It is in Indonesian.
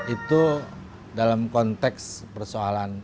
itu dalam konteks persoalan